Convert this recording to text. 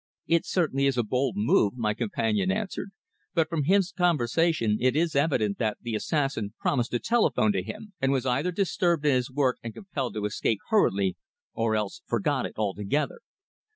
"It certainly is a bold move," my companion answered, "but from his conversation it is evident that the assassin promised to telephone to him, and was either disturbed in his work and compelled to escape hurriedly, or else forgot it altogether.